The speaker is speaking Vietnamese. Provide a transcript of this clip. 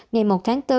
ngày một tháng bốn